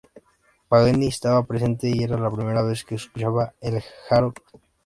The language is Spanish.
Paganini estaba presente y era la primera vez que escuchaba el Harold.